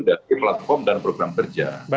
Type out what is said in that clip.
dari platform dan program kerja